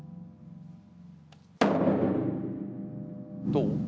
どう？